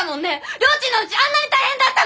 りょーちんのうちあんなに大変だったのに！